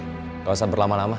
nggak usah berlama lama